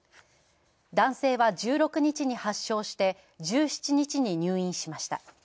男性は１６日に発症して、１７日に入院しました。